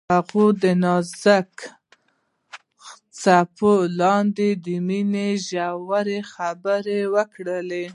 هغوی د نازک څپو لاندې د مینې ژورې خبرې وکړې.